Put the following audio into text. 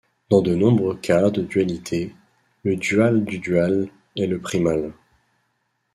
Dans de nombreux cas de dualité, le dual du dual est le primal.